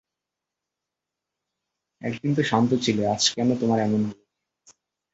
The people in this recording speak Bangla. এতদিন তো শান্ত ছিলে, আজ কেন তোমার এমন হল।